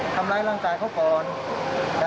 ทำร้ายร่างกายเขาก่อน